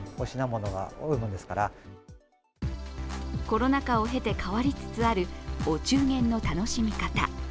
コロナ禍を経て変わりつつあるお中元の楽しみ方。